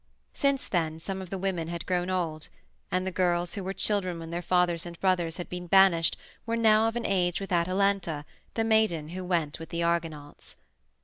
Since then some of the women had grown old, and the girls who were children when their fathers and brothers had been banished were now of an age with Atalanta, the maiden who went with the Argonauts.